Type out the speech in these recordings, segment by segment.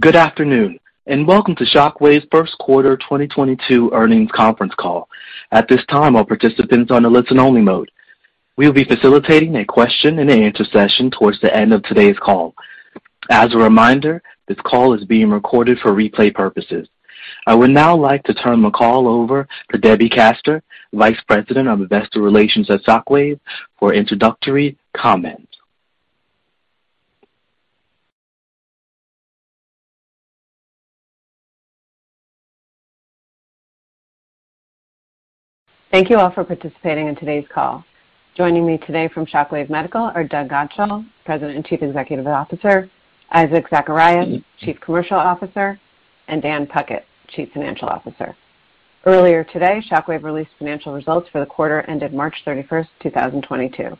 Good afternoon, and welcome to Shockwave's first quarter 2022 earnings conference call. At this time, all participants are on a listen only mode. We'll be facilitating a Q&A session towards the end of today's call. As a reminder, this call is being recorded for replay purposes. I would now like to turn the call over to Debbie Kaster, Vice President of Investor Relations at Shockwave, for introductory comments. Thank you all for participating in today's call. Joining me today from Shockwave Medical are Doug Godshall, President and Chief Executive Officer, Isaac Zacharias, Chief Commercial Officer, and Dan Puckett, Chief Financial Officer. Earlier today, Shockwave Medical released financial results for the quarter ended March 31st, 2022.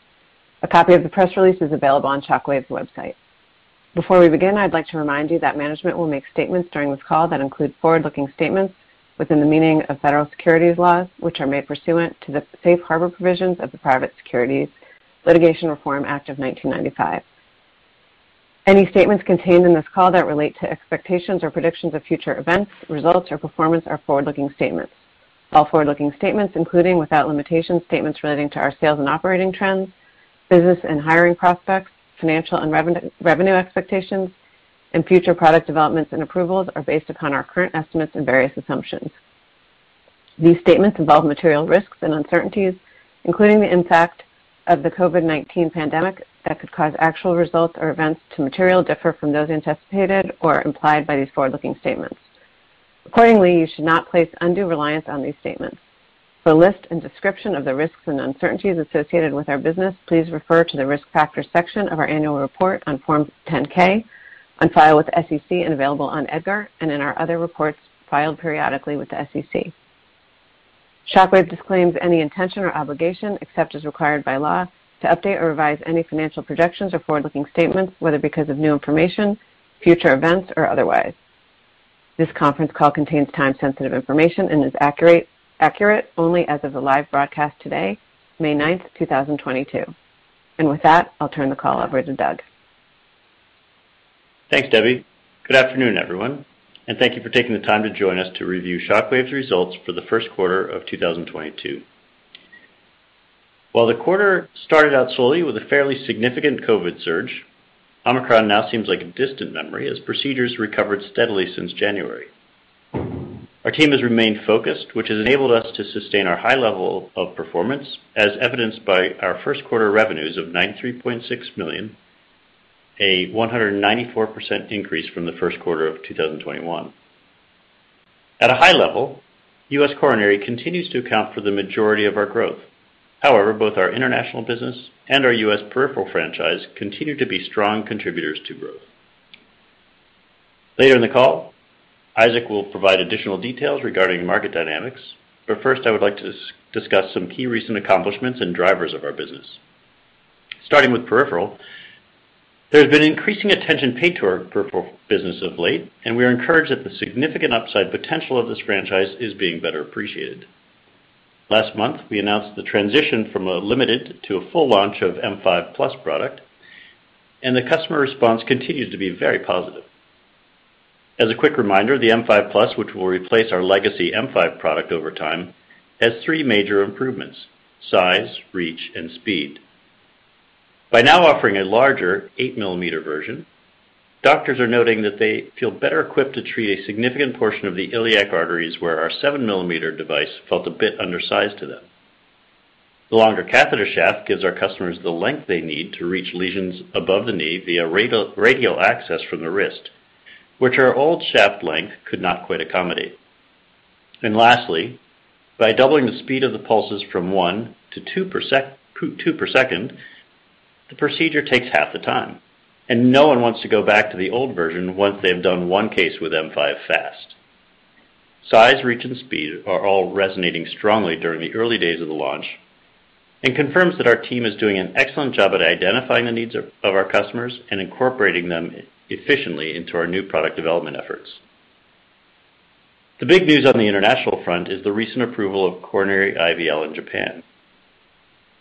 A copy of the press release is available on Shockwave's website. Before we begin, I'd like to remind you that management will make statements during this call that include forward-looking statements within the meaning of federal securities laws, which are made pursuant to the Safe Harbor provisions of the Private Securities Litigation Reform Act of 1995. Any statements contained in this call that relate to expectations or predictions of future events, results, or performance are forward-looking statements. All forward-looking statements, including, without limitation, statements relating to our sales and operating trends, business and hiring prospects, financial and revenue expectations, and future product developments and approvals, are based upon our current estimates and various assumptions. These statements involve material risks and uncertainties, including the impact of the COVID-19 pandemic that could cause actual results or events to materially differ from those anticipated or implied by these forward-looking statements. Accordingly, you should not place undue reliance on these statements. For a list and description of the risks and uncertainties associated with our business, please refer to the Risk Factors section of our annual report on Form 10-K, on file with SEC and available on EDGAR, and in our other reports filed periodically with the SEC. Shockwave disclaims any intention or obligation, except as required by law, to update or revise any financial projections or forward-looking statements, whether because of new information, future events, or otherwise. This conference call contains time-sensitive information and is accurate only as of the live broadcast today, May 9th, 2022. With that, I'll turn the call over to Doug. Thanks, Debbie. Good afternoon, everyone, and thank you for taking the time to join us to review Shockwave's results for the first quarter of 2022. While the quarter started out slowly with a fairly significant COVID surge, Omicron now seems like a distant memory as procedures recovered steadily since January. Our team has remained focused, which has enabled us to sustain our high level of performance, as evidenced by our first quarter revenues of $93.6 million, a 194% increase from the first quarter of 2021. At a high level, U.S. Coronary continues to account for the majority of our growth. However, both our international business and our U.S. Peripheral franchise continue to be strong contributors to growth. Later in the call, Isaac will provide additional details regarding market dynamics. First, I would like to discuss some key recent accomplishments and drivers of our business. Starting with Peripheral, there's been increasing attention paid to our Peripheral business of late, and we are encouraged that the significant upside potential of this franchise is being better appreciated. Last month, we announced the transition from a limited to a full launch of M5+ product, and the customer response continues to be very positive. As a quick reminder, the M5+, which will replace our legacy M5 product over time, has three major improvements, size, reach, and speed. By now offering a larger 8 mm version, doctors are noting that they feel better equipped to treat a significant portion of the iliac arteries where our 7 mm device felt a bit undersized to them. The longer catheter shaft gives our customers the length they need to reach lesions above the knee via radial access from the wrist, which our old shaft length could not quite accommodate. Lastly, by doubling the speed of the pulses from 1 to 2 per second, the procedure takes half the time, and no one wants to go back to the old version once they've done one case with M5 first. Size, reach, and speed are all resonating strongly during the early days of the launch and confirms that our team is doing an excellent job at identifying the needs of our customers and incorporating them efficiently into our new product development efforts. The big news on the international front is the recent approval of coronary IVL in Japan.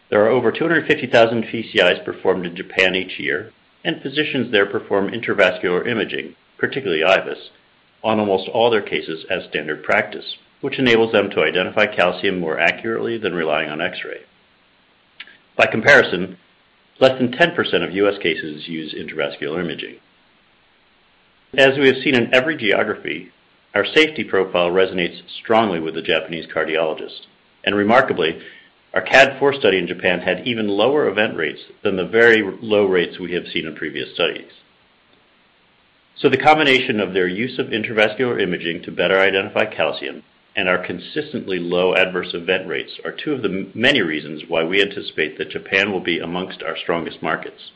There are over 250,000 PCIs performed in Japan each year, and physicians there perform intravascular imaging, particularly IVUS, on almost all their cases as standard practice, which enables them to identify calcium more accurately than relying on X-ray. By comparison, less than 10% of U.S. cases use intravascular imaging. As we have seen in every geography, our safety profile resonates strongly with the Japanese cardiologist, and remarkably, our CAD IV study in Japan had even lower event rates than the very low rates we have seen in previous studies. The combination of their use of intravascular imaging to better identify calcium and our consistently low adverse event rates are two of the many reasons why we anticipate that Japan will be amongst our strongest markets.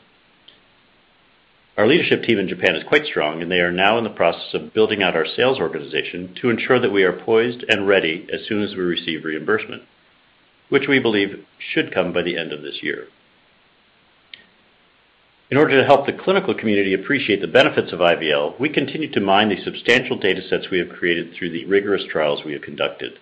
Our leadership team in Japan is quite strong, and they are now in the process of building out our sales organization to ensure that we are poised and ready as soon as we receive reimbursement, which we believe should come by the end of this year. In order to help the clinical community appreciate the benefits of IVL, we continue to mine the substantial data sets we have created through the rigorous trials we have conducted.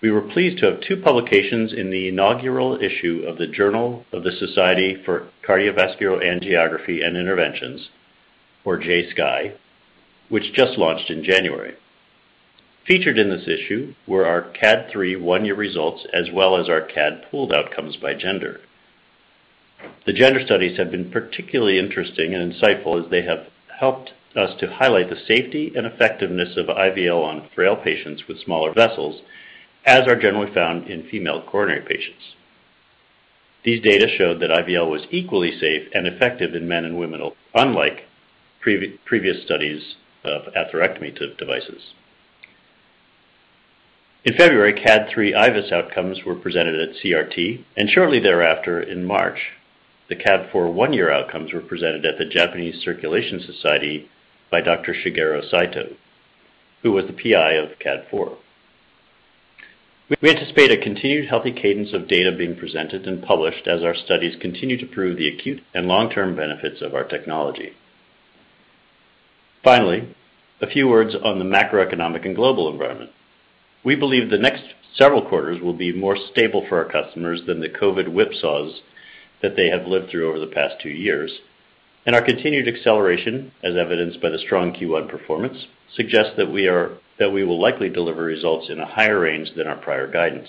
We were pleased to have two publications in the inaugural issue of the Journal of the Society for Cardiovascular Angiography & Interventions, or JSCAI, which just launched in January. Featured in this issue were our CAD III one-year results as well as our CAD pooled outcomes by gender. The gender studies have been particularly interesting and insightful as they have helped us to highlight the safety and effectiveness of IVL on frail patients with smaller vessels, as are generally found in female coronary patients. These data showed that IVL was equally safe and effective in men and women, unlike previous studies of atherectomy devices. In February, CAD III IVUS outcomes were presented at CRT, and shortly thereafter in March, the CAD IV one-year outcomes were presented at the Japanese Circulation Society by Dr. Shigeru Saito, who was the PI of CAD IV. We anticipate a continued healthy cadence of data being presented and published as our studies continue to prove the acute and long-term benefits of our technology. Finally, a few words on the macroeconomic and global environment. We believe the next several quarters will be more stable for our customers than the COVID whipsaws that they have lived through over the past two years. Our continued acceleration, as evidenced by the strong Q1 performance, suggests that we will likely deliver results in a higher range than our prior guidance.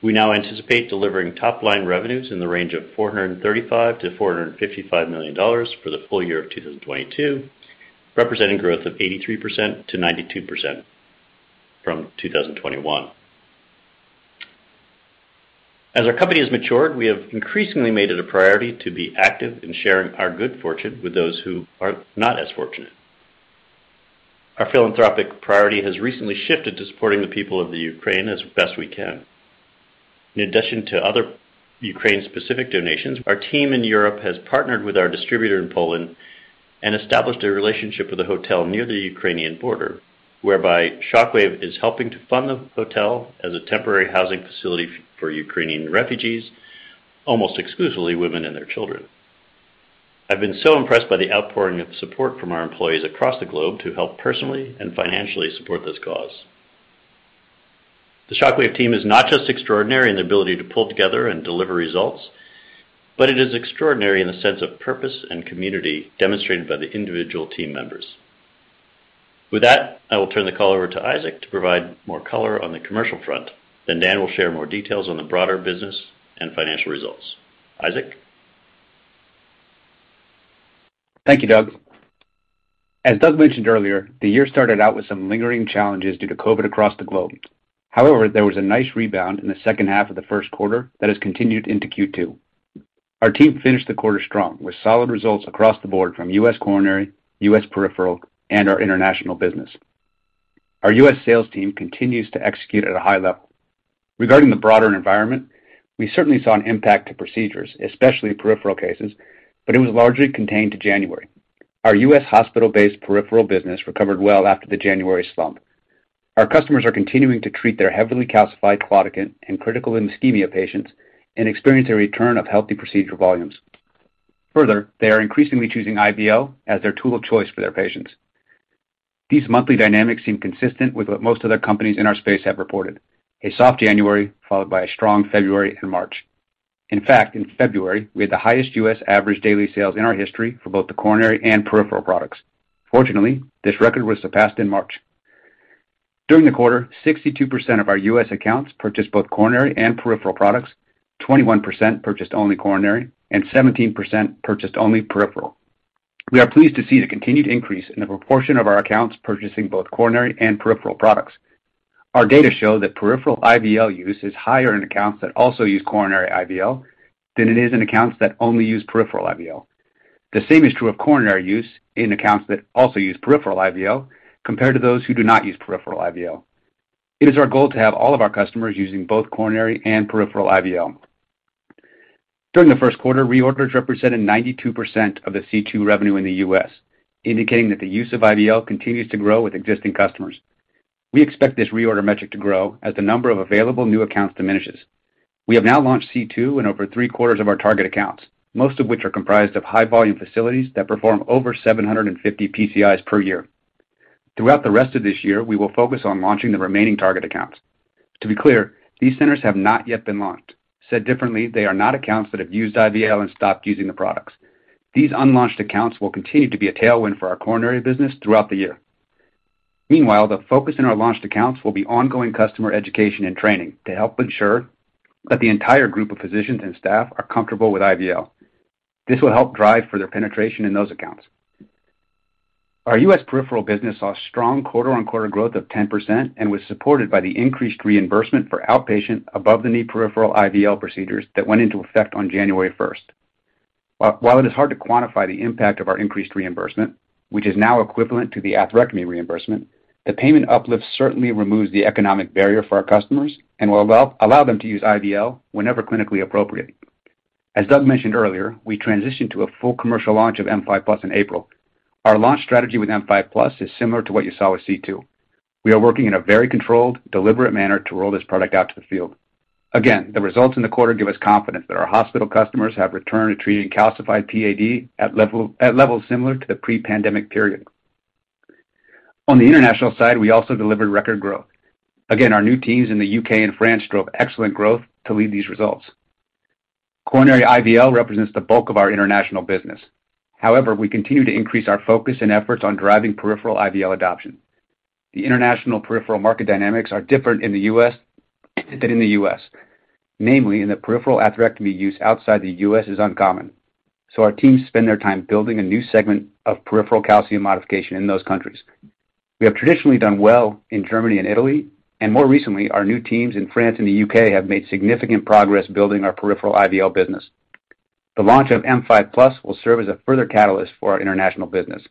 We now anticipate delivering top-line revenues in the range of $435 million-$455 million for the full year of 2022, representing growth of 83%-92% from 2021. As our company has matured, we have increasingly made it a priority to be active in sharing our good fortune with those who are not as fortunate. Our philanthropic priority has recently shifted to supporting the people of the Ukraine as best we can. In addition to other Ukraine-specific donations, our team in Europe has partnered with our distributor in Poland and established a relationship with a hotel near the Ukrainian border, whereby Shockwave is helping to fund the hotel as a temporary housing facility for Ukrainian refugees, almost exclusively women and their children. I've been so impressed by the outpouring of support from our employees across the globe to help personally and financially support this cause. The Shockwave team is not just extraordinary in their ability to pull together and deliver results, but it is extraordinary in the sense of purpose and community demonstrated by the individual team members. With that, I will turn the call over to Isaac to provide more color on the commercial front. Then Dan will share more details on the broader business and financial results. Isaac? Thank you, Doug. As Doug mentioned earlier, the year started out with some lingering challenges due to COVID across the globe. However, there was a nice rebound in the second half of the first quarter that has continued into Q2. Our team finished the quarter strong with solid results across the board from U.S. Coronary, U.S. Peripheral, and our international business. Our U.S. sales team continues to execute at a high level. Regarding the broader environment, we certainly saw an impact to procedures, especially peripheral cases, but it was largely contained to January. Our U.S. hospital-based peripheral business recovered well after the January slump. Our customers are continuing to treat their heavily calcified claudicant and critical ischemia patients and experience a return of healthy procedural volumes. Further, they are increasingly choosing IVL as their tool of choice for their patients. These monthly dynamics seem consistent with what most other companies in our space have reported, a soft January followed by a strong February and March. In fact, in February, we had the highest U.S. average daily sales in our history for both the coronary and peripheral products. Fortunately, this record was surpassed in March. During the quarter, 62% of our U.S. accounts purchased both coronary and peripheral products, 21% purchased only coronary, and 17% purchased only peripheral. We are pleased to see the continued increase in the proportion of our accounts purchasing both coronary and peripheral products. Our data show that peripheral IVL use is higher in accounts that also use coronary IVL than it is in accounts that only use peripheral IVL. The same is true of coronary use in accounts that also use peripheral IVL compared to those who do not use peripheral IVL. It is our goal to have all of our customers using both coronary and peripheral IVL. During the first quarter, reorders represented 92% of the C2 revenue in the U.S., indicating that the use of IVL continues to grow with existing customers. We expect this reorder metric to grow as the number of available new accounts diminishes. We have now launched C2 in over three-quarters of our target accounts, most of which are comprised of high-volume facilities that perform over 750 PCIs per year. Throughout the rest of this year, we will focus on launching the remaining target accounts. To be clear, these centers have not yet been launched. Said differently, they are not accounts that have used IVL and stopped using the products. These unlaunched accounts will continue to be a tailwind for our coronary business throughout the year. Meanwhile, the focus in our launched accounts will be ongoing customer education and training to help ensure that the entire group of physicians and staff are comfortable with IVL. This will help drive further penetration in those accounts. Our U.S. Peripheral business saw strong quarter-on-quarter growth of 10% and was supported by the increased reimbursement for outpatient above-the-knee peripheral IVL procedures that went into effect on January first. While it is hard to quantify the impact of our increased reimbursement, which is now equivalent to the atherectomy reimbursement, the payment uplift certainly removes the economic barrier for our customers and will allow them to use IVL whenever clinically appropriate. As Doug mentioned earlier, we transitioned to a full commercial launch of M5+ in April. Our launch strategy with M5+ is similar to what you saw with C2. We are working in a very controlled, deliberate manner to roll this product out to the field. Again, the results in the quarter give us confidence that our hospital customers have returned to treating calcified PAD at levels similar to the pre-pandemic period. On the international side, we also delivered record growth. Again, our new teams in the U.K. and France drove excellent growth to lead these results. Coronary IVL represents the bulk of our international business. However, we continue to increase our focus and efforts on driving peripheral IVL adoption. The international peripheral market dynamics are different outside the U.S. than in the U.S. Namely, peripheral atherectomy use outside the U.S. is uncommon, so our teams spend their time building a new segment of peripheral calcium modification in those countries. We have traditionally done well in Germany and Italy, and more recently, our new teams in France and the U.K. have made significant progress building our peripheral IVL business. The launch of M5+ will serve as a further catalyst for our international business,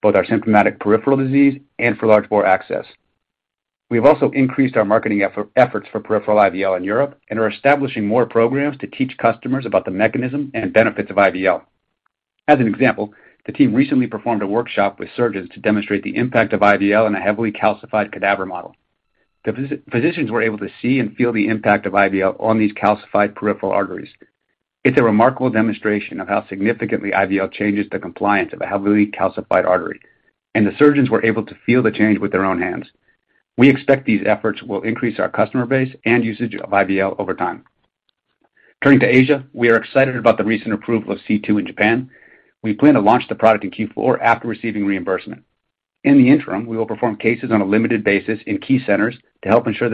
both our symptomatic peripheral disease and for large bore access. We have also increased our marketing efforts for peripheral IVL in Europe and are establishing more programs to teach customers about the mechanism and benefits of IVL. As an example, the team recently performed a workshop with surgeons to demonstrate the impact of IVL in a heavily calcified cadaver model. The physicians were able to see and feel the impact of IVL on these calcified peripheral arteries. It's a remarkable demonstration of how significantly IVL changes the compliance of a heavily calcified artery, and the surgeons were able to feel the change with their own hands. We expect these efforts will increase our customer base and usage of IVL over time. Turning to Asia, we are excited about the recent approval of C2 in Japan. We plan to launch the product in Q4 after receiving reimbursement. In the interim, we will perform cases on a limited basis in key centers to help ensure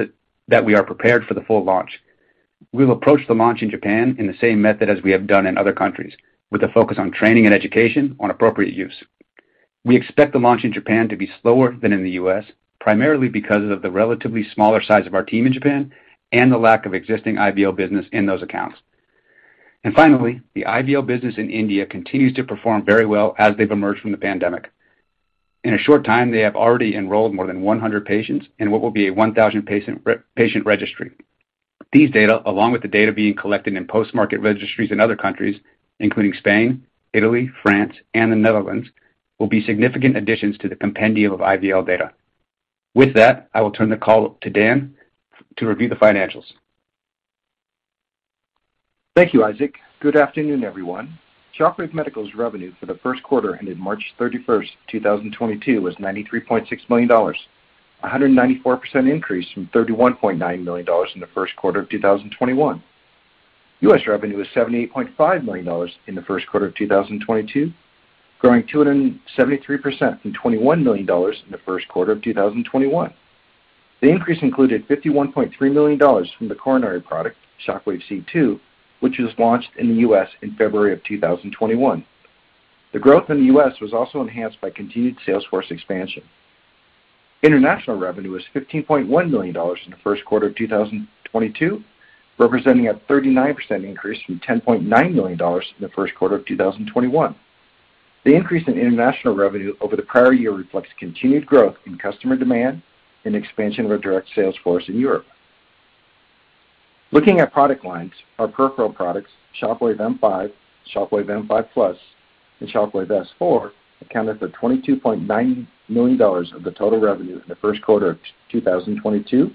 that we are prepared for the full launch. We'll approach the launch in Japan in the same method as we have done in other countries, with a focus on training and education on appropriate use. We expect the launch in Japan to be slower than in the U.S., primarily because of the relatively smaller size of our team in Japan and the lack of existing IVL business in those accounts. Finally, the IVL business in India continues to perform very well as they've emerged from the pandemic. In a short time, they have already enrolled more than 100 patients in what will be a 1,000-patient registry. These data, along with the data being collected in post-market registries in other countries, including Spain, Italy, France, and the Netherlands, will be significant additions to the compendium of IVL data. With that, I will turn the call to Dan to review the financials. Thank you, Isaac. Good afternoon, everyone. Shockwave Medical's revenue for the first quarter ended March 31st, 2022 was $93.6 million, a 194% increase from $31.9 million in the first quarter of 2021. U.S. revenue was $78.5 million in the first quarter of 2022, growing 273% from $21 million in the first quarter of 2021. The increase included $51.3 million from the coronary product, Shockwave C2, which was launched in the U.S. in February 2021. The growth in the U.S. was also enhanced by continued sales force expansion. International revenue was $15.1 million in the first quarter of 2022, representing a 39% increase from $10.9 million in the first quarter of 2021. The increase in international revenue over the prior year reflects continued growth in customer demand and expansion of our direct sales force in Europe. Looking at product lines, our peripheral products, Shockwave M5, Shockwave M5+, and Shockwave S4, accounted for $22.9 million of the total revenue in the first quarter of 2022,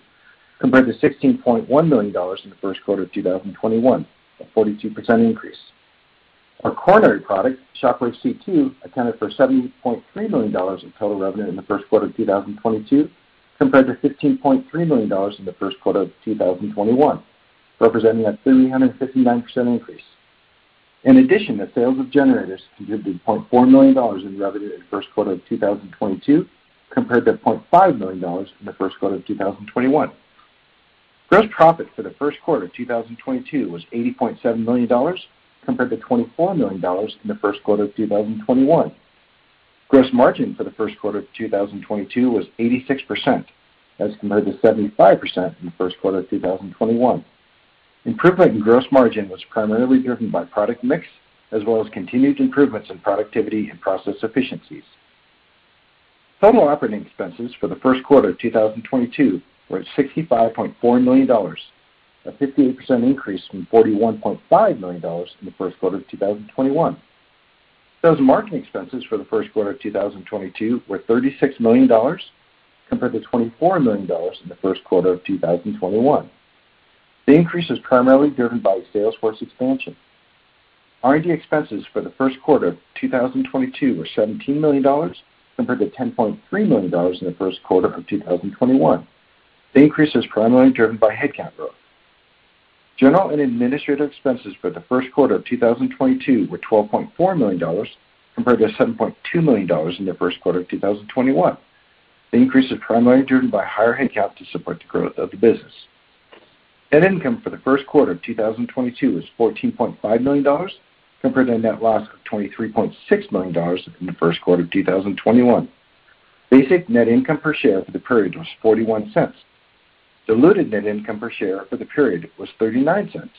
compared to $16.1 million in the first quarter of 2021, a 42% increase. Our coronary product, Shockwave C2, accounted for $17.3 million in total revenue in the first quarter of 2022, compared to $15.3 million in the first quarter of 2021, representing a 359% increase. In addition, the sales of generators contributed $0.4 million in revenue in the first quarter of 2022, compared to $0.5 million in the first quarter of 2021. Gross profit for the first quarter of 2022 was $80.7 million, compared to $24 million in the first quarter of 2021. Gross margin for the first quarter of 2022 was 86% as compared to 75% in the first quarter of 2021. Improvement in gross margin was primarily driven by product mix, as well as continued improvements in productivity and process efficiencies. Total operating expenses for the first quarter of 2022 were $65.4 million, a 58% increase from $41.5 million in the first quarter of 2021. Sales and marketing expenses for the first quarter of 2022 were $36 million, compared to $24 million in the first quarter of 2021. The increase is primarily driven by sales force expansion. R&D expenses for the first quarter of 2022 were $17 million, compared to $10.3 million in the first quarter of 2021. The increase is primarily driven by headcount growth. General and administrative expenses for the first quarter of 2022 were $12.4 million, compared to $7.2 million in the first quarter of 2021. The increase is primarily driven by higher headcount to support the growth of the business. Net income for the first quarter of 2022 was $14.5 million, compared to a net loss of $23.6 million in the first quarter of 2021. Basic net income per share for the period was $0.41. Diluted net income per share for the period was $0.39.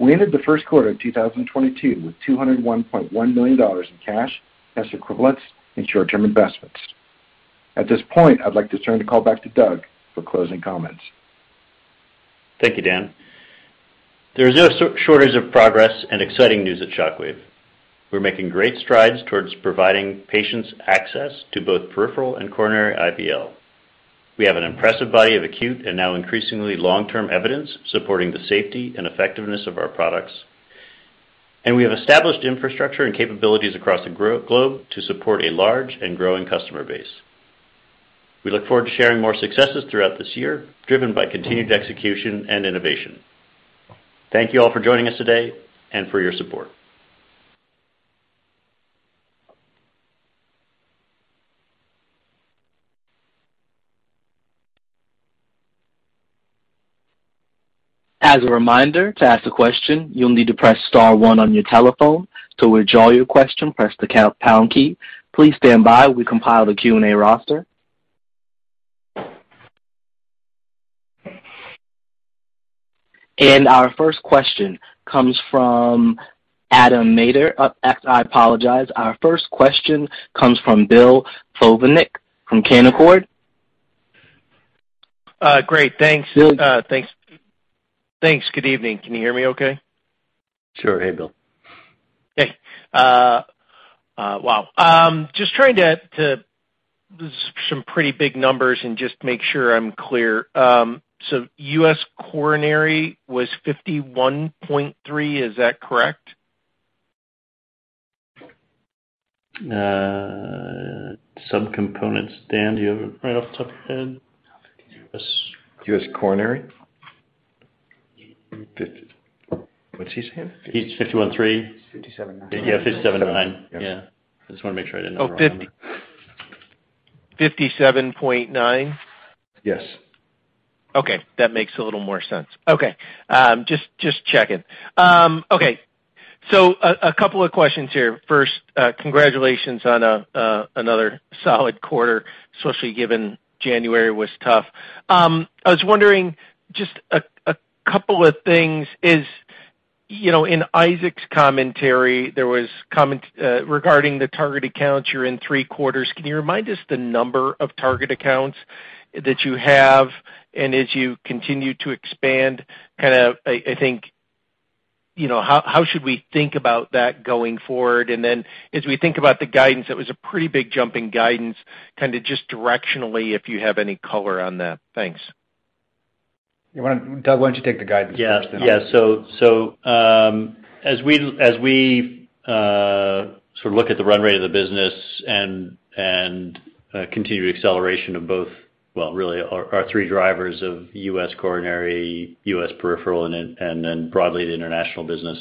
We ended the first quarter of 2022 with $201.1 million in cash, cash equivalents, and short-term investments. At this point, I'd like to turn the call back to Doug for closing comments. Thank you, Dan. There's no shortage of progress and exciting news at Shockwave. We're making great strides towards providing patients access to both peripheral and coronary IVL. We have an impressive body of acute and now increasingly long-term evidence supporting the safety and effectiveness of our products. We have established infrastructure and capabilities across the globe to support a large and growing customer base. We look forward to sharing more successes throughout this year, driven by continued execution and innovation. Thank you all for joining us today and for your support. As a reminder, to ask a question, you'll need to press star one on your telephone. To withdraw your question, press the count-pound key. Please stand by while we compile the Q&A roster. Our first question comes from Adam Maeder. Our first question comes from Bill Plovanic from Canaccord. Great. Thanks. Thanks. Good evening. Can you hear me okay? Sure. Hey, Bill. Just trying to some pretty big numbers and just make sure I'm clear. U.S. Coronary was 51.3, is that correct? Some components. Dan, do you have it right off the top of your head? U.S. Coronary? What's he saying? He said 51.3? 57.9. 57.9. Yeah. I just wanna make sure I didn't hear wrong. Oh, 57.9? Yes. Okay. That makes a little more sense. Okay. Just checking. A couple of questions here. First, congratulations on another solid quarter, especially given January was tough. I was wondering just a couple of things is, you know, in Isaac Zacharias's commentary regarding the target accounts you're in three quarters. Can you remind us the number of target accounts that you have? And as you continue to expand, kinda, I think, you know, how should we think about that going forward? And then as we think about the guidance, that was a pretty big jump in guidance, kinda just directionally if you have any color on that. Thanks. Doug, why don't you take the guidance first and then I'll. Yeah. Yeah. As we sort of look at the run rate of the business and continued acceleration. Well, really our three drivers of U.S. Coronary, U.S. Peripheral, and then broadly the international business.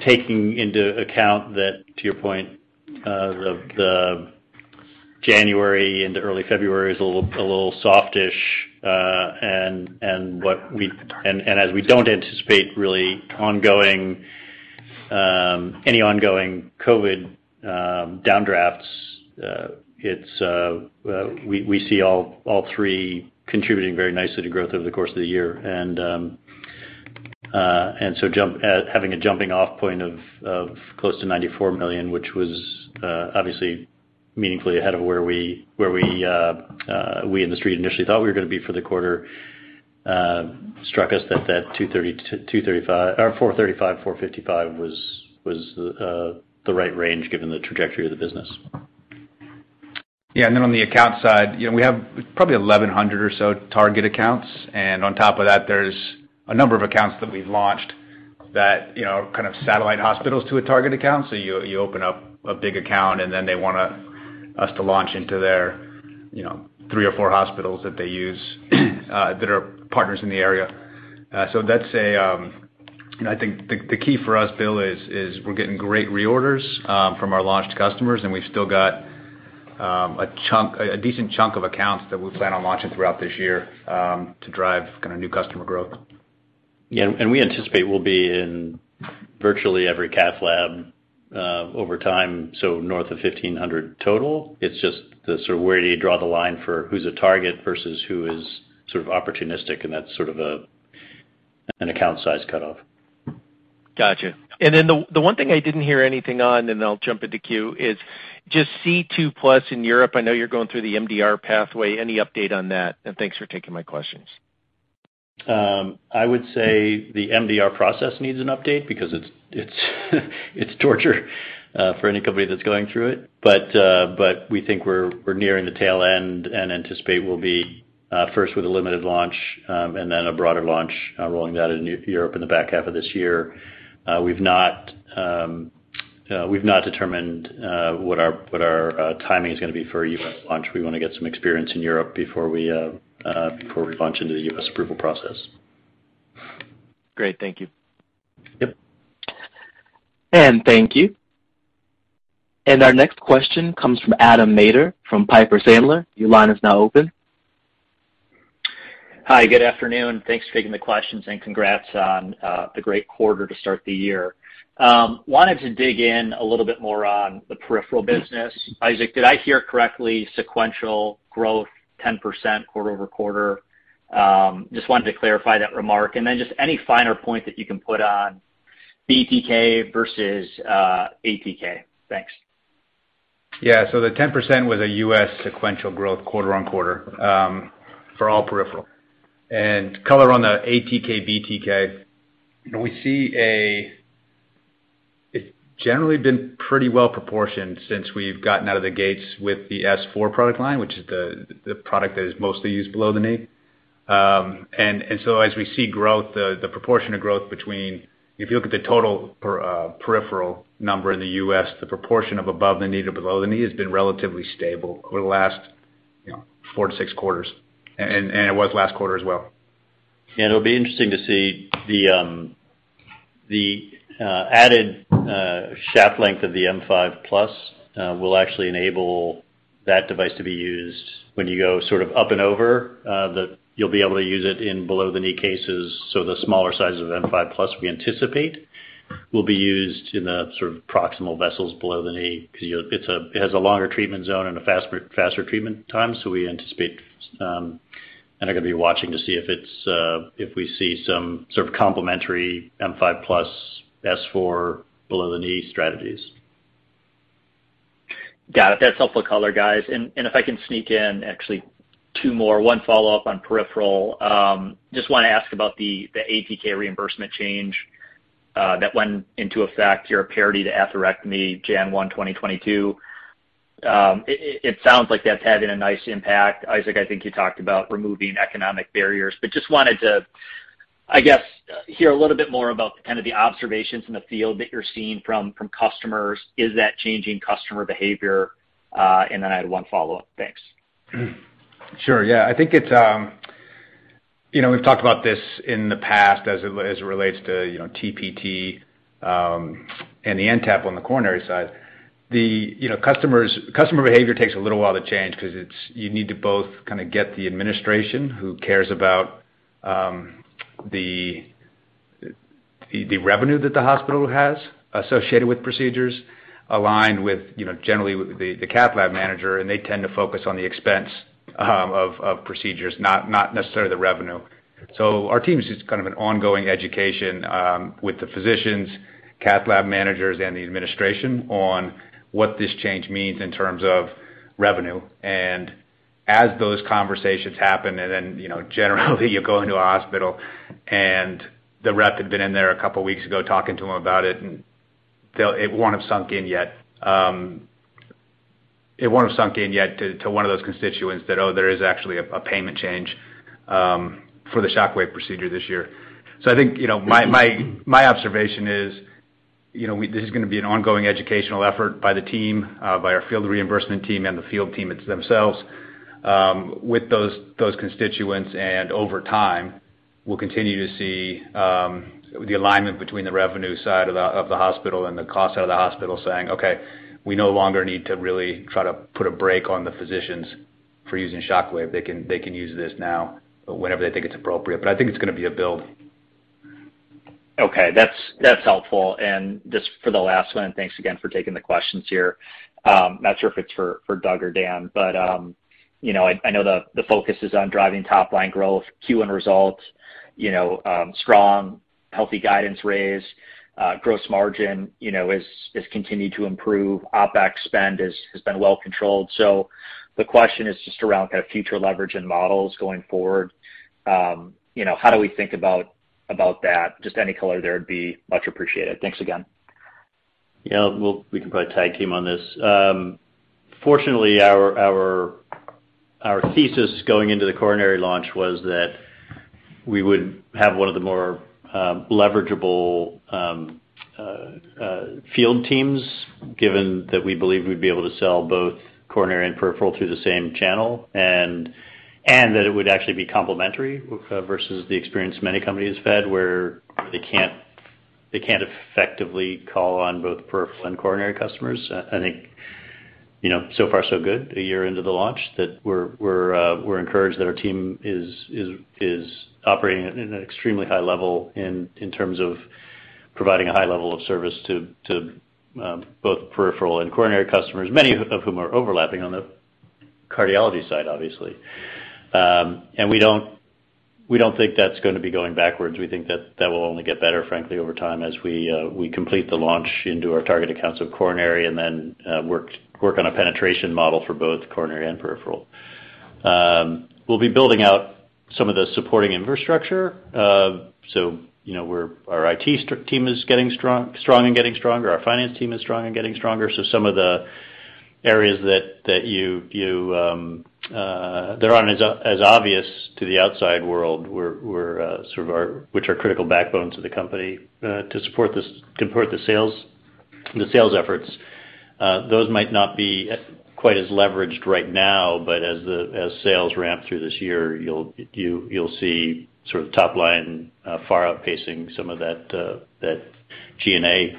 Taking into account that, to your point, the January into early February is a little softish, and as we don't anticipate really ongoing any ongoing COVID downdrafts, it's we see all three contributing very nicely to growth over the course of the year. Having a jumping off point of close to $94 million, which was obviously meaningfully ahead of where we initially thought we were gonna be for the quarter, struck us that $230 million-$235 million or $435 million-$455 million was the right range given the trajectory of the business. Yeah. Then on the account side, you know, we have probably 1,100 or so target accounts, and on top of that, there's a number of accounts that we've launched that, you know, are kind of satellite hospitals to a target account. You open up a big account and then they want us to launch into their, you know, 3 or 4 hospitals that they use that are partners in the area. That's a. I think the key for us, Bill, is we're getting great reorders from our launched customers, and we've still got a decent chunk of accounts that we plan on launching throughout this year to drive kinda new customer growth. Yeah. We anticipate we'll be in virtually every cath lab over time, so north of 1,500 total. It's just the sort of where do you draw the line for who's a target versus who is sort of opportunistic? That's sort of an account size cutoff. Gotcha. The one thing I didn't hear anything on, and I'll jump into queue, is just C2+ in Europe. I know you're going through the MDR pathway. Any update on that? Thanks for taking my questions. I would say the MDR process needs an update because it's torture for any company that's going through it. We think we're nearing the tail end and anticipate we'll be first with a limited launch and then a broader launch rolling out in Europe in the back half of this year. We've not determined what our timing is gonna be for a U.S. launch. We wanna get some experience in Europe before we launch into the U.S. approval process. Great. Thank you. Yep. Thank you. Our next question comes from Adam Maeder from Piper Sandler. Your line is now open. Hi. Good afternoon. Thanks for taking the questions, and congrats on the great quarter to start the year. Wanted to dig in a little bit more on the peripheral business. Isaac, did I hear correctly, sequential growth 10% quarter-over-quarter? Just wanted to clarify that remark. Just any finer point that you can put on BTK versus ATK. Thanks. The 10% was a U.S. sequential growth quarter-on-quarter for all peripheral. Color on the ATK, BTK, we see it's generally been pretty well proportioned since we've gotten out of the gates with the S4 product line, which is the product that is mostly used below the knee. As we see growth, the proportion of growth between if you look at the total peripheral number in the U.S., the proportion of above the knee to below the knee has been relatively stable over the last, you know, 4-6 quarters, and it was last quarter as well. It'll be interesting to see the added shaft length of the M5+ will actually enable that device to be used when you go sort of up and over that you'll be able to use it in below-the-knee cases. The smaller size of M5+ we anticipate will be used in the sort of proximal vessels below the knee because it has a longer treatment zone and a faster treatment time. We anticipate and are gonna be watching to see if we see some sort of complementary M5+, S4 below-the-knee strategies. Got it. That's helpful color, guys. If I can sneak in actually two more. One follow-up on peripheral. Just wanna ask about the ATK reimbursement change that went into effect, your parity to atherectomy January 1, 2022. It sounds like that's having a nice impact. Isaac, I think you talked about removing economic barriers. Just wanted to, I guess, hear a little bit more about kind of the observations in the field that you're seeing from customers. Is that changing customer behavior? Then I had one follow-up. Thanks. Sure. Yeah. I think it's, you know, we've talked about this in the past as it relates to, you know, TPT and the NTAP on the coronary side. You know, customer behavior takes a little while to change because you need to both kinda get the administration who cares about the revenue that the hospital has associated with procedures aligned with, you know, generally the cath lab manager, and they tend to focus on the expense of procedures, not necessarily the revenue. Our team is just kind of an ongoing education with the physicians, cath lab managers, and the administration on what this change means in terms of revenue. As those conversations happen, and then, you know, generally you go into a hospital and the rep had been in there a couple weeks ago talking to him about it, and it won't have sunk in yet. It won't have sunk in yet to one of those constituents that, oh, there is actually a payment change for the Shockwave procedure this year. I think, you know, my observation is, you know, this is gonna be an ongoing educational effort by the team, by our field reimbursement team and the field team themselves, with those constituents. Over time, we'll continue to see the alignment between the revenue side of the hospital and the cost side of the hospital saying, "Okay. We no longer need to really try to put a brake on the physicians for using Shockwave. They can use this now whenever they think it's appropriate." I think it's gonna be a build. Okay. That's helpful. Just for the last one, thanks again for taking the questions here. Not sure if it's for Doug or Dan, but you know, I know the focus is on driving top line growth, Q1 results, you know, strong, healthy guidance raise. Gross margin, you know, is continued to improve. OpEx spend has been well controlled. The question is just around kind of future leverage and models going forward. You know, how do we think about that? Just any color there would be much appreciated. Thanks again. Yeah. We can probably tag team on this. Fortunately, our thesis going into the coronary launch was that we would have one of the more leverageable field teams, given that we believe we'd be able to sell both coronary and peripheral through the same channel and that it would actually be complementary versus the experience many companies have had where they can't effectively call on both peripheral and coronary customers. I think, you know, so far so good a year into the launch that we're encouraged that our team is operating at an extremely high level in terms of providing a high level of service to both peripheral and coronary customers, many of whom are overlapping on the cardiology side, obviously. We don't think that's gonna be going backwards. We think that will only get better, frankly, over time as we complete the launch into our target accounts of coronary and then work on a penetration model for both coronary and peripheral. We'll be building out some of the supporting infrastructure. You know, our IT team is getting strong and getting stronger. Our finance team is strong and getting stronger. Some of the areas that aren't as obvious to the outside world, which are critical backbones of the company to support the sales efforts. Those might not be quite as leveraged right now, but as sales ramp through this year, you'll see sort of top line far outpacing some of that G&A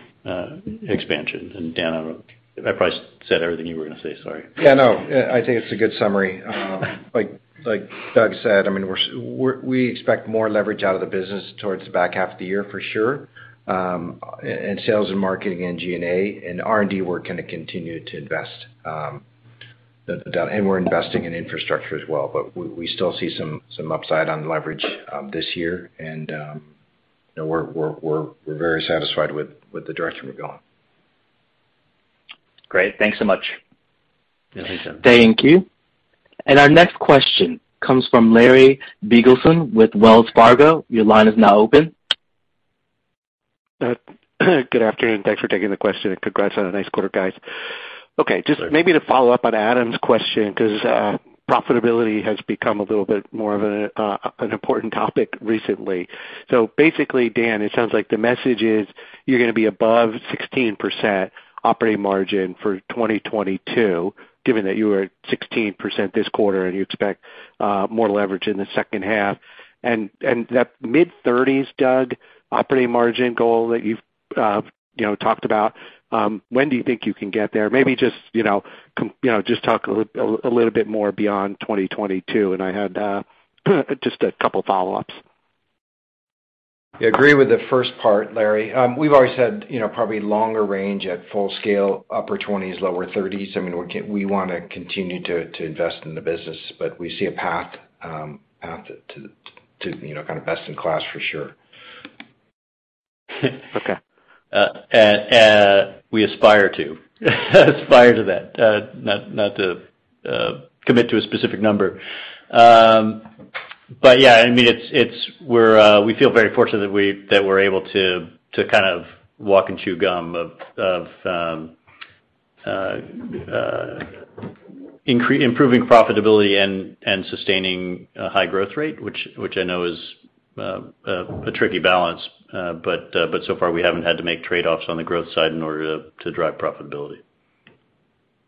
expansion. Dan, I don't know. I probably said everything you were gonna say. Sorry. Yeah, no, I think it's a good summary. Like Doug said, I mean, we expect more leverage out of the business towards the back half of the year for sure, in sales and marketing and G&A. In R&D, we're gonna continue to invest. We're investing in infrastructure as well, but we still see some upside on leverage this year. You know, we're very satisfied with the direction we're going. Great. Thanks so much. Thank you. Our next question comes from Larry Biegelsen with Wells Fargo. Your line is now open. Good afternoon, thanks for taking the question and congrats on a nice quarter, guys. Okay. Just maybe to follow up on Adam's question, 'cause profitability has become a little bit more of an an important topic recently. Basically, Dan, it sounds like the message is you're gonna be above 16% operating margin for 2022, given that you were at 16% this quarter and you expect more leverage in the second half. That mid-30s, Doug, operating margin goal that you've you know talked about, when do you think you can get there? Maybe just you know you know just talk a little a little bit more beyond 2022. I had just a couple follow-ups. I agree with the first part, Larry. We've always had, you know, probably longer range at full scale, upper 20s, lower 30s. I mean, we wanna continue to invest in the business, but we see a path to kind of best in class for sure. Okay. We aspire to that. Not to commit to a specific number. Yeah, I mean, we feel very fortunate that we're able to kind of walk and chew gum, improving profitability and sustaining a high growth rate, which I know is a tricky balance. So far, we haven't had to make trade-offs on the growth side in order to drive profitability.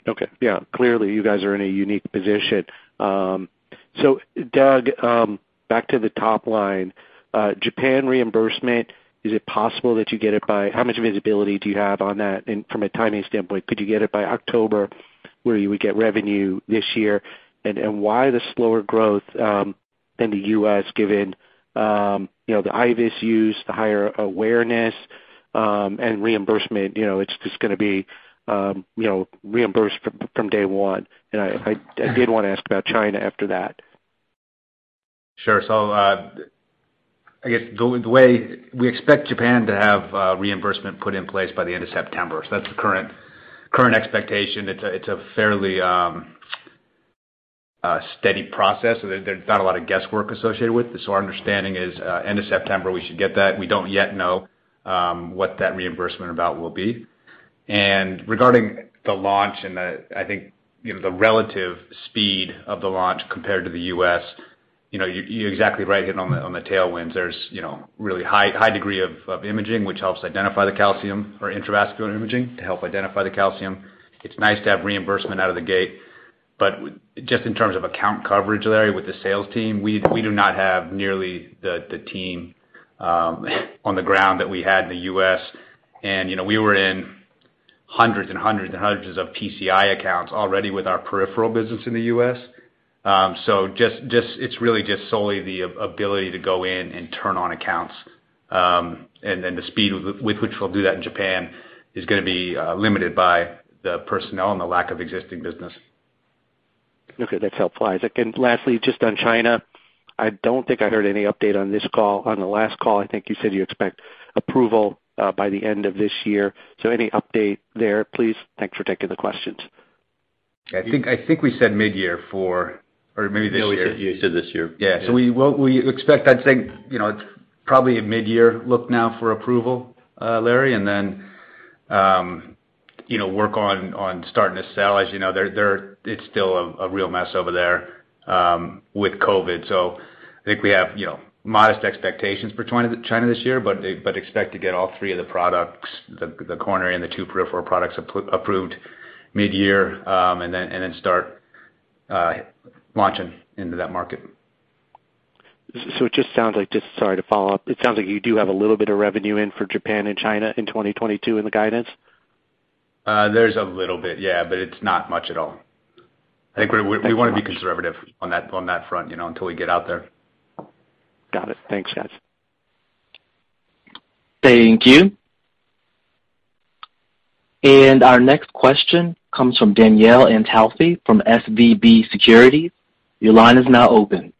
Okay. Yeah, clearly you guys are in a unique position. Doug, back to the top line, Japan reimbursement, is it possible that you get it by? How much visibility do you have on that? From a timing standpoint, could you get it by October, where you would get revenue this year? Why the slower growth in the U.S., given you know, the IVUS use, the higher awareness, and reimbursement? You know, it's just gonna be you know, reimbursed from day one. I did wanna ask about China after that. Sure. I guess we expect Japan to have reimbursement put in place by the end of September. That's the current expectation. It's a fairly steady process. There's not a lot of guesswork associated with it. Our understanding is end of September, we should get that. We don't yet know what that reimbursement amount will be. Regarding the launch and the, I think, you know, the relative speed of the launch compared to the U.S., you know, you're exactly right, hitting on the tailwinds. There's you know, really high degree of imaging, which helps identify the calcium or intravascular imaging to help identify the calcium. It's nice to have reimbursement out of the gate. Just in terms of account coverage, Larry, with the sales team, we do not have nearly the team on the ground that we had in the U.S. You know, we were in hundreds and hundreds and hundreds of PCI accounts already with our peripheral business in the U.S. It's really just solely the ability to go in and turn on accounts. The speed with which we'll do that in Japan is gonna be limited by the personnel and the lack of existing business. Okay, that's helpful, Isaac. Lastly, just on China, I don't think I heard any update on this call. On the last call, I think you said you expect approval by the end of this year. Any update there, please? Thanks for taking the questions. I think we said midyear, or maybe this year. You said this year. What we expect, I'd say, you know, it's probably a midyear look now for approval, Larry. Work on starting to sell. As you know, it's still a real mess over there with COVID. I think we have, you know, modest expectations for China this year, but expect to get all three of the products, the coronary and the two peripheral products approved mid-year, and then start launching into that market. Sorry to follow up. It sounds like you do have a little bit of revenue in for Japan and China in 2022 in the guidance. There's a little bit, yeah, but it's not much at all. I think we wanna be conservative on that front, you know, until we get out there. Got it. Thanks, guys. Thank you. Our next question comes from Danielle Antalffy from SVB Securities. Your line is now open.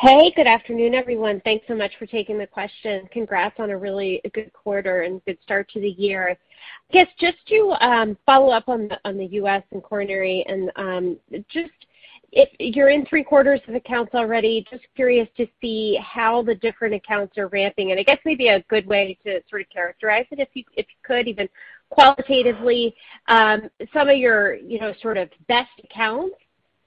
Hey, good afternoon, everyone. Thanks so much for taking the question. Congrats on a really good quarter and good start to the year. I guess just to follow up on the U.S. and coronary, just if you're in three-quarters of accounts already, just curious to see how the different accounts are ramping. I guess maybe a good way to sort of characterize it, if you could, even qualitatively, some of your best accounts,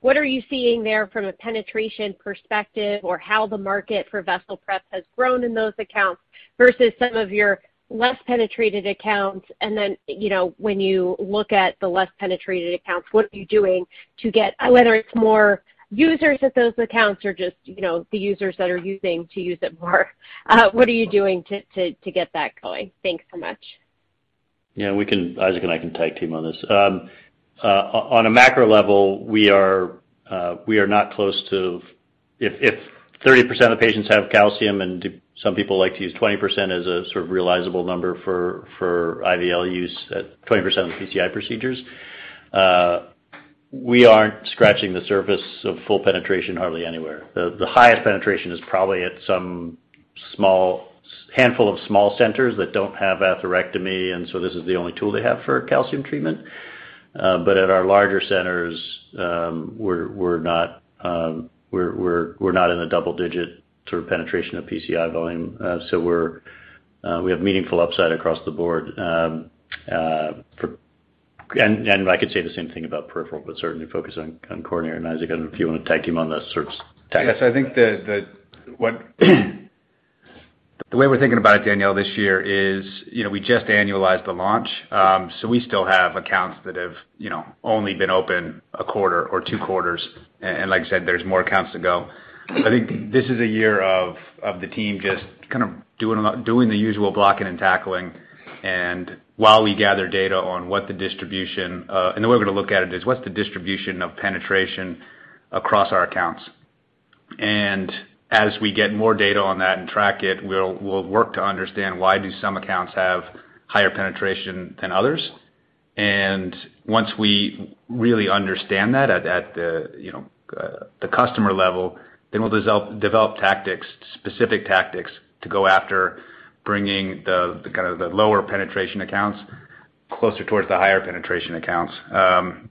what are you seeing there from a penetration perspective or how the market for vessel prep has grown in those accounts versus some of your less penetrated accounts? You know, when you look at the less penetrated accounts, what are you doing to get whether it's more users at those accounts or just, you know, the users that are using to use it more? What are you doing to get that going? Thanks so much. Yeah, we can. Isaac and I can tag team on this. On a macro level, we are not close to. If 30% of patients have calcium, some people like to use 20% as a sort of realizable number for IVL use at 20% of the PCI procedures, we aren't scratching the surface of full penetration hardly anywhere. The highest penetration is probably at some small handful of small centers that don't have atherectomy, this is the only tool they have for calcium treatment. But at our larger centers, we're not in the double-digit sort of penetration of PCI volume. We have meaningful upside across the board. I could say the same thing about peripheral, but certainly focus on coronary. Isaac, if you wanna tag team on that sort of tag team. Yes, I think the way we're thinking about it, Danielle, this year is, you know, we just annualized the launch. We still have accounts that have, you know, only been open a quarter or two quarters. Like I said, there's more accounts to go. I think this is a year of the team just kind of doing the usual blocking and tackling. While we gather data on what the distribution, the way we're gonna look at it is what's the distribution of penetration across our accounts. As we get more data on that and track it, we'll work to understand why do some accounts have higher penetration than others? Once we really understand that at the customer level, then we'll develop tactics, specific tactics to go after bringing the lower penetration accounts closer towards the higher penetration accounts.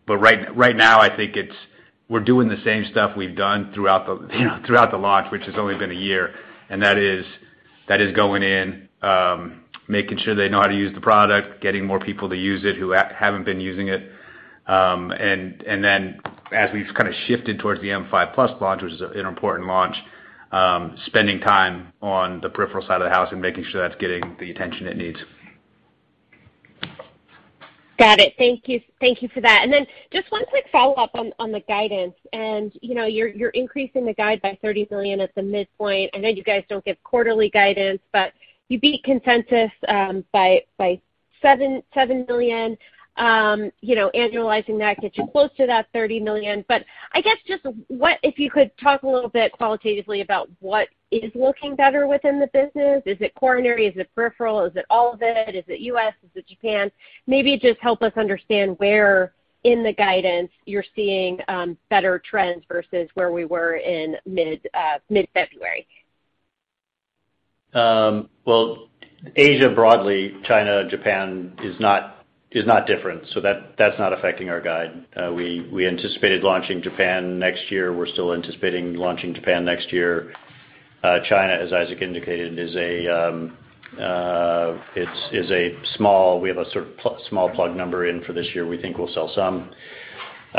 Right now, I think we're doing the same stuff we've done throughout the launch, which has only been a year. That is going in, making sure they know how to use the product, getting more people to use it who haven't been using it. Then as we've kind of shifted towards the M5+ launch, which is an important launch, spending time on the peripheral side of the house and making sure that's getting the attention it needs. Got it. Thank you. Thank you for that. Just one quick follow-up on the guidance. You know, you're increasing the guide by $30 million at the midpoint. I know you guys don't give quarterly guidance, but you beat consensus by $7 million. You know, annualizing that gets you close to that $30 million. But I guess just what if you could talk a little bit qualitatively about what is looking better within the business. Is it coronary? Is it peripheral? Is it all of it? Is it U.S.? Is it Japan? Maybe just help us understand where in the guidance you're seeing better trends versus where we were in mid-February. Well, Asia broadly, China, Japan is not different, so that's not affecting our guide. We anticipated launching Japan next year. We're still anticipating launching Japan next year. China, as Isaac indicated, is a small. We have a sort of small plug number in for this year. We think we'll sell some.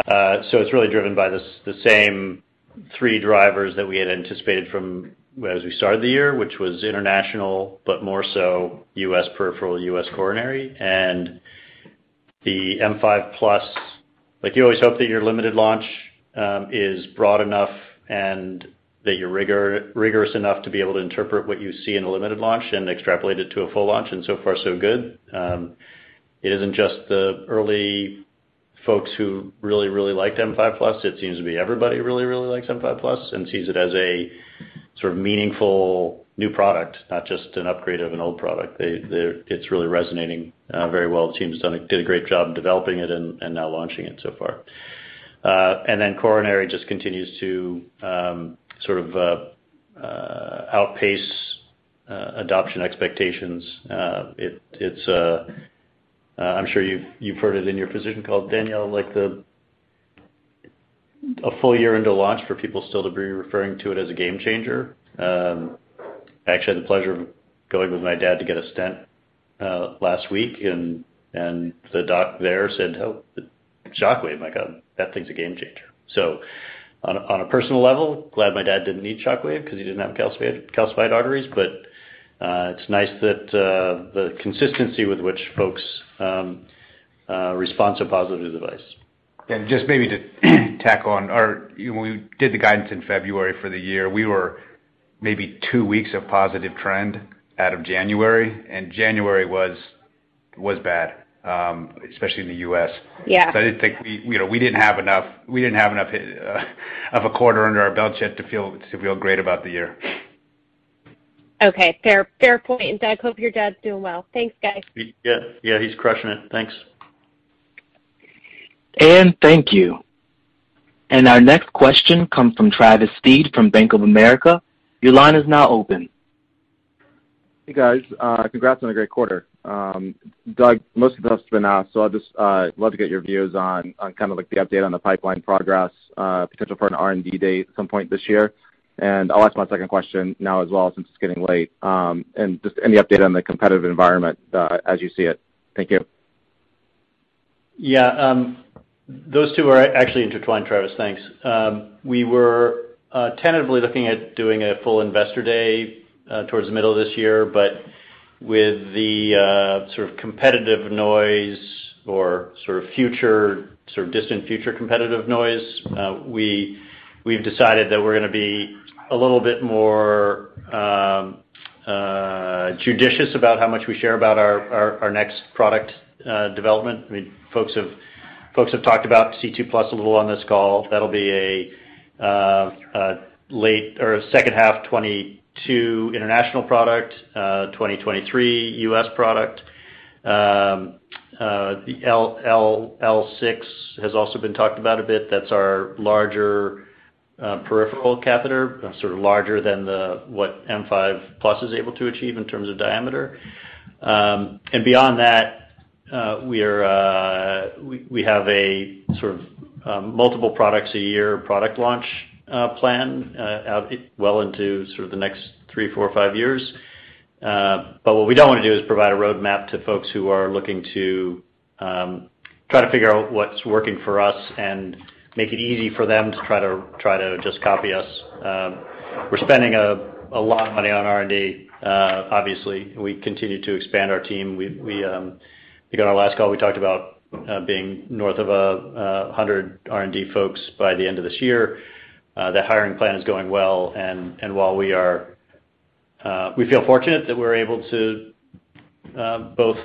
So it's really driven by the same three drivers that we had anticipated from as we started the year, which was international, but more so U.S. Peripheral, U.S. Coronary. The M5+, like you always hope that your limited launch is broad enough and that you're rigorous enough to be able to interpret what you see in a limited launch and extrapolate it to a full launch, and so far so good. It isn't just the early folks who really, really likes M5+. It seems to be everybody really, really likes M5+ and sees it as a sort of meaningful new product, not just an upgrade of an old product. It's really resonating very well. The team did a great job developing it and now launching it so far. Coronary just continues to sort of outpace adoption expectations. I'm sure you've heard it in your physician call, Danielle. A full year into launch for people still to be referring to it as a game changer. I actually had the pleasure of going with my dad to get a stent last week and the doc there said, "Oh, Shockwave, my God, that thing's a game changer." On a personal level, glad my dad didn't need Shockwave 'cause he didn't have calcified arteries. It's nice that the consistency with which folks respond so positive to the device. Just maybe to tack on or, you know, when we did the guidance in February for the year, we were maybe two weeks of positive trend out of January, and January was bad, especially in the U.S. Yeah. I didn't think we, you know, we didn't have enough of a quarter under our belt yet to feel great about the year. Okay. Fair, fair point. Doug, hope your dad's doing well. Thanks, guys. Yeah. Yeah, he's crushing it. Thanks. Thank you. Our next question comes from Travis Steed from Bank of America. Your line is now open. Hey, guys. Congrats on a great quarter. Doug, most of that's been asked, so I'll just like to get your views on kind of like the update on the pipeline progress, potential for an R&D date at some point this year. I'll ask my second question now as well since it's getting late. Just any update on the competitive environment, as you see it. Thank you. Yeah. Those two are actually intertwined, Travis. Thanks. We were tentatively looking at doing a full investor day towards the middle of this year, but with the sort of competitive noise or sort of future, sort of distant future competitive noise, we've decided that we're gonna be a little bit more judicious about how much we share about our next product development. I mean, folks have talked about C2+ a little on this call. That'll be a late or second half 2022 international product, 2023 U.S. product. The L6 has also been talked about a bit. That's our larger peripheral catheter, sort of larger than what M5+ is able to achieve in terms of diameter. Beyond that, we have a sort of multiple products a year product launch plan out well into sort of the next 3, 4, 5 years. What we don't wanna do is provide a roadmap to folks who are looking to try to figure out what's working for us and make it easy for them to just copy us. We're spending a lot of money on R&D, obviously. We continue to expand our team. I think on our last call, we talked about being north of 100 R&D folks by the end of this year. The hiring plan is going well and while we feel fortunate that we're able to both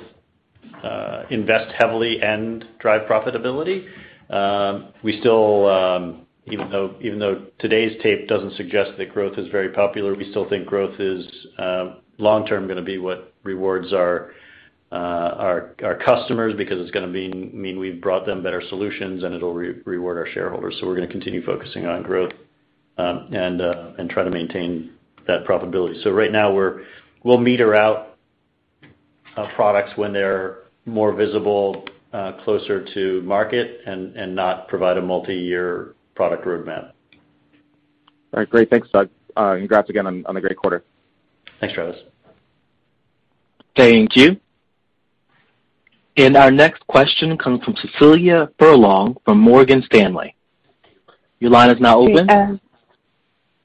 invest heavily and drive profitability. We still, even though today's tape doesn't suggest that growth is very popular, we still think growth is long-term gonna be what rewards our customers because it's gonna mean we've brought them better solutions and it'll reward our shareholders. We're gonna continue focusing on growth and try to maintain that profitability. Right now we'll meter out products when they're more visible, closer to market and not provide a multiyear product roadmap. All right. Great. Thanks, Doug. Congrats again on a great quarter. Thanks, Travis. Thank you. Our next question comes from Cecilia Furlong from Morgan Stanley. Your line is now open. Hey,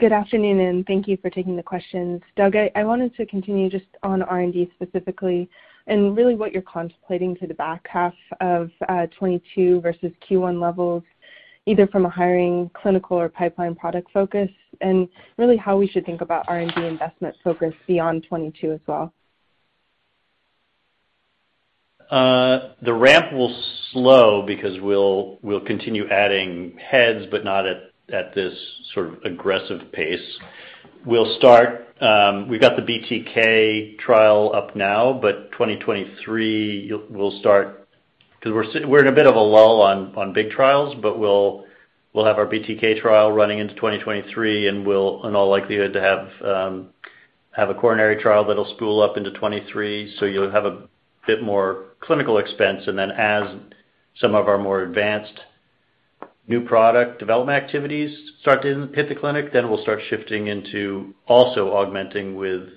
good afternoon, and thank you for taking the questions. Doug, I wanted to continue just on R&D specifically and really what you're contemplating to the back half of 2022 versus Q1 levels, either from a hiring clinical or pipeline product focus, and really how we should think about R&D investment focus beyond 2022 as well. The ramp will slow because we'll continue adding heads but not at this sort of aggressive pace. We've got the BTK trial up now, but 2023 we'll start. We're in a bit of a lull on big trials, but we'll have our BTK trial running into 2023, and we'll in all likelihood have a coronary trial that'll spool up into 2023. You'll have a bit more clinical expense, and then as some of our more advanced new product development activities start to hit the clinic, then we'll start shifting into also augmenting with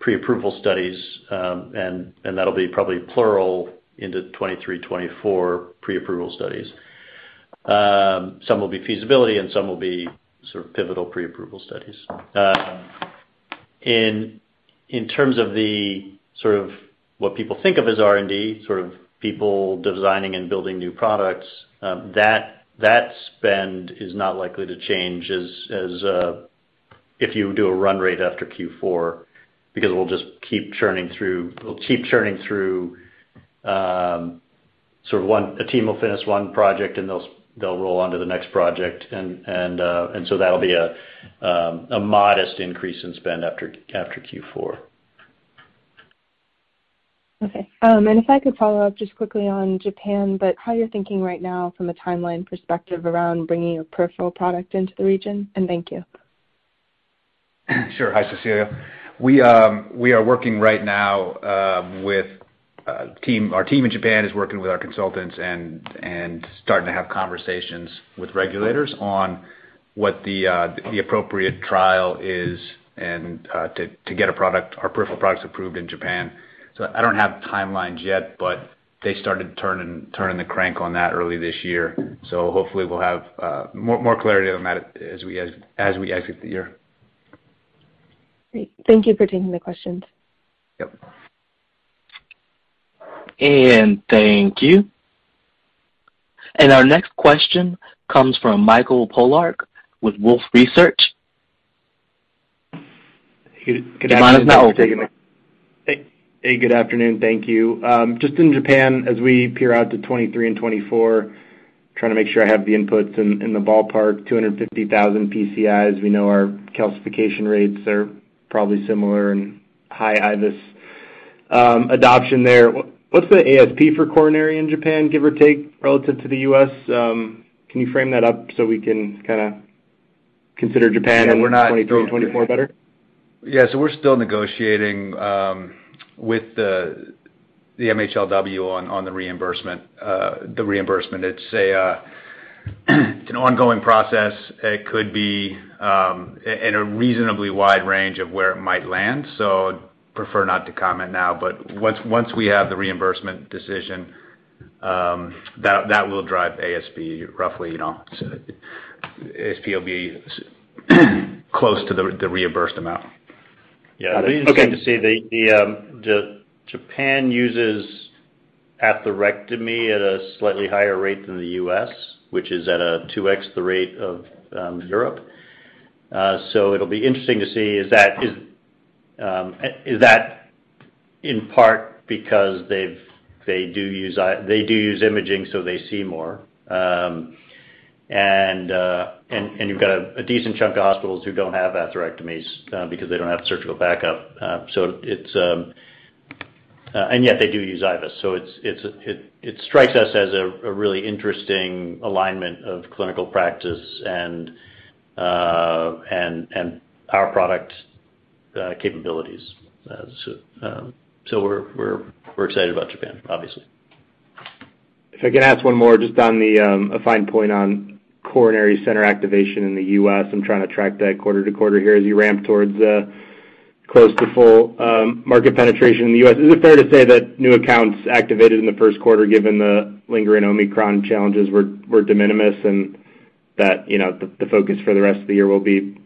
pre-approval studies. That'll be probably plural into 2023, 2024 pre-approval studies. Some will be feasibility and some will be sort of pivotal pre-approval studies. In terms of the sort of what people think of as R&D, sort of people designing and building new products, that spend is not likely to change if you do a run rate after Q4 because we'll just keep churning through, a team will finish one project and they'll roll onto the next project and so that'll be a modest increase in spend after Q4. Okay. If I could follow up just quickly on Japan, about how you're thinking right now from a timeline perspective around bringing a peripheral product into the region? Thank you. Sure. Hi, Cecilia. We are working right now with a team. Our team in Japan is working with our consultants and starting to have conversations with regulators on what the appropriate trial is and to get a product or peripheral products approved in Japan. I don't have timelines yet, but they started turning the crank on that early this year. Hopefully we'll have more clarity on that as we exit the year. Great. Thank you for taking the questions. Yep. Thank you. Our next question comes from Michael Polark with Wolfe Research. Good afternoon. Your line is now open. Hey. Hey, good afternoon. Thank you. Just in Japan, as we peer out to 2023 and 2024, trying to make sure I have the inputs in the ballpark, 250,000 PCIs. We know our calcification rates are probably similar and high IVUS adoption there. What's the ASP for coronary in Japan, give or take, relative to the U.S.? Can you frame that up so we can kinda consider Japan. In 2023 and 2024 better? Yeah. We're still negotiating with the MHLW on the reimbursement. It's an ongoing process. It could be in a reasonably wide range of where it might land. I'd prefer not to comment now. Once we have the reimbursement decision, that will drive ASP roughly, you know. ASP will be close to the reimbursed amount. Yeah. Okay. These seem to say that Japan uses atherectomy at a slightly higher rate than the US, which is at a 2x the rate of Europe. It'll be interesting to see if that is in part because they do use imaging, so they see more. You've got a decent chunk of hospitals who don't have atherectomies because they don't have surgical backup. Yet they do use IVUS. It strikes us as a really interesting alignment of clinical practice and our product capabilities. We're excited about Japan, obviously. If I could ask one more just on a fine point on coronary center activation in the U.S. I'm trying to track that quarter-to-quarter here as you ramp towards close to full market penetration in the U.S. Is it fair to say that new accounts activated in the first quarter, given the lingering Omicron challenges were de minimis, and that, you know, the focus for the rest of the year will be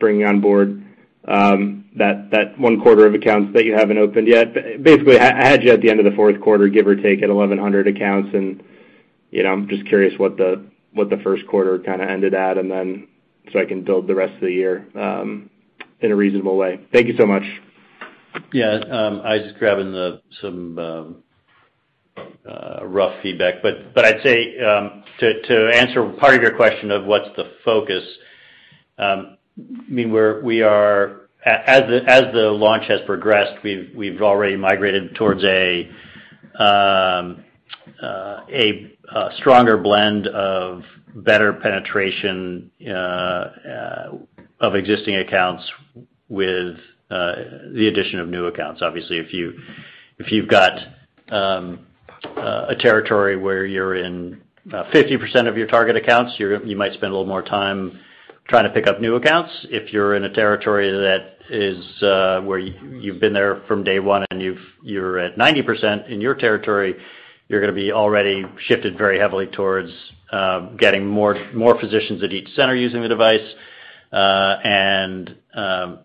bringing on board that one quarter of accounts that you haven't opened yet? Basically, I had you at the end of the fourth quarter, give or take at 1,100 accounts and, you know, I'm just curious what the first quarter kinda ended at, and then so I can build the rest of the year in a reasonable way. Thank you so much. Just grabbing some rough feedback, but I'd say to answer part of your question of what's the focus. I mean, we are as the launch has progressed, we've already migrated towards a stronger blend of better penetration of existing accounts with the addition of new accounts. Obviously, if you've got a territory where you're in 50% of your target accounts, you might spend a little more time trying to pick up new accounts. If you're in a territory that is where you've been there from day one, and you're at 90% in your territory, you're gonna be already shifted very heavily towards getting more physicians at each center using the device,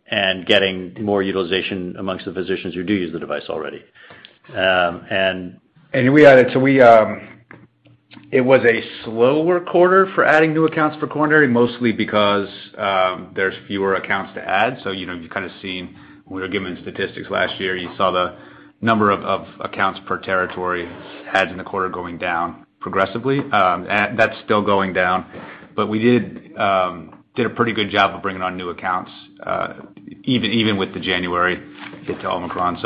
and getting more utilization amongst the physicians who do use the device already. It was a slower quarter for adding new accounts for coronary, mostly because there's fewer accounts to add. You know, you've kinda seen when we were given statistics last year, you saw the number of accounts per territory had in the quarter going down progressively. And that's still going down. We did a pretty good job of bringing on new accounts, even with the January hit to Omicron.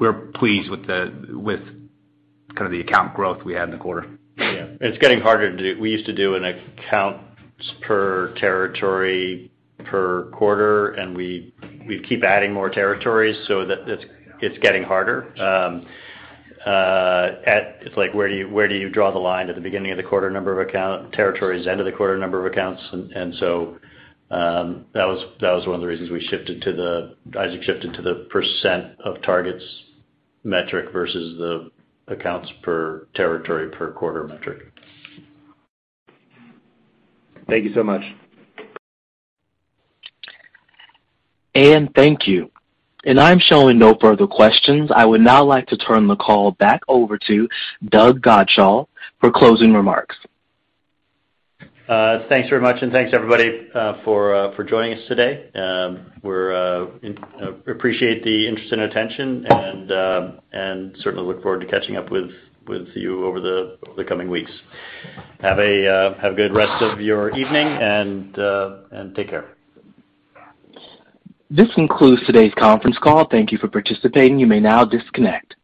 We're pleased with kinda the account growth we had in the quarter. Yeah. It's getting harder to do. We used to do an accounts per territory per quarter, and we keep adding more territories so that it's getting harder. It's like where do you draw the line at the beginning of the quarter number of account territories, end of the quarter number of accounts? That was one of the reasons Isaac shifted to the percent of targets metric versus the accounts per territory per quarter metric. Thank you so much. Thank you. I'm showing no further questions. I would now like to turn the call back over to Doug Godshall for closing remarks. Thanks very much, and thanks everybody for joining us today. Appreciate the interest and attention and certainly look forward to catching up with you over the coming weeks. Have a good rest of your evening and take care. This concludes today's conference call. Thank you for participating. You may now disconnect.